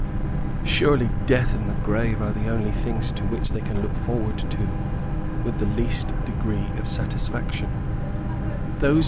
Surely, death and the grave are the only things to which they can look forward with the least degree of satisfaction.